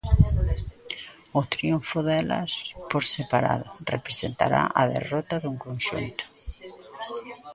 O triunfo delas por separado representará a derrota do conxunto.